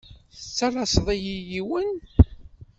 Tettalaseḍ-iyi yiwen.